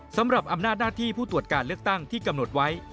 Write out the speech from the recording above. สำหรับอำนาจหน้าที่ผู้ตรวจการเลือกตั้งที่กำหนดไว้